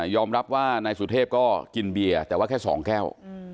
อมรับว่านายสุเทพก็กินเบียร์แต่ว่าแค่๒แก้ว